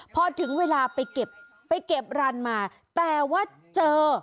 พอถึงเวลาไปเก็บรันมาแต่ว่าเจอ